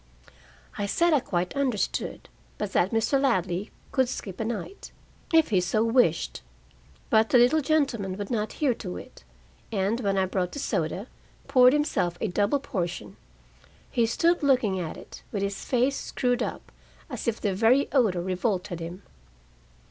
I said I quite understood, but that Mr. Ladley could skip a night, if he so wished. But the little gentleman would not hear to it, and when I brought the soda, poured himself a double portion. He stood looking at it, with his face screwed up, as if the very odor revolted him.